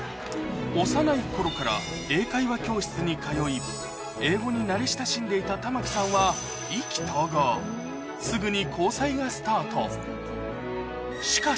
幼い頃から英会話教室に通い英語に慣れ親しんでいた環さんは意気投合すぐに交際がスタートか。